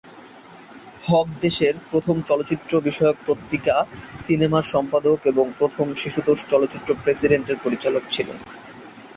হক দেশের প্রথম চলচ্চিত্র বিষয়ক পত্রিকা ‘সিনেমা’র সম্পাদক এবং প্রথম শিশুতোষ চলচ্চিত্র ‘প্রেসিডেন্ট’-এর পরিচালক ছিলেন।